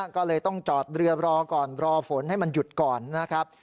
ก็เลยต้องจอดเรือรอก่อนรอฝนให้มันหยุดก่อนนะครับ